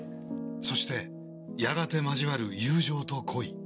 そしてやがて交わる友情と恋。